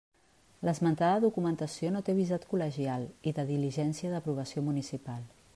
L'esmentada documentació no té visat col·legial i de diligència d'aprovació municipal.